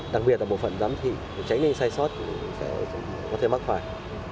đặc biệt là bộ phận giám thị tránh nên sai sót có thể mắc phải